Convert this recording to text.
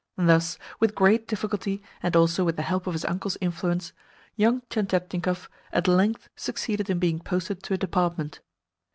Thus, with great difficulty, and also with the help of his uncle's influence, young Tientietnikov at length succeeded in being posted to a Department.